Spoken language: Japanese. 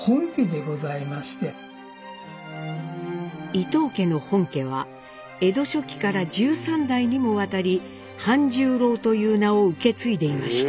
伊藤家の本家は江戸初期から１３代にもわたり半十郎という名を受け継いでいました。